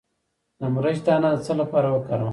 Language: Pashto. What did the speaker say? د مرچ دانه د څه لپاره وکاروم؟